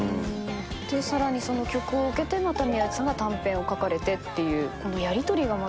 でさらにその曲を受けてまた宮内さんが短編を書かれてっていうこのやりとりがまたいいですよね。